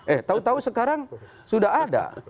eh tau tau sekarang sudah ada